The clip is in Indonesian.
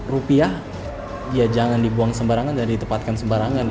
rupiah ya jangan dibuang sembarangan dan ditepatkan sembarangan